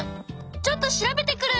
ちょっと調べてくる！